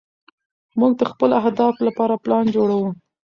موږ د خپلو اهدافو لپاره پلان جوړوو.